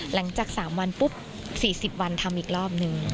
หลังจาก๓วันปุ๊บ๔๐วันทำอีกรอบนึง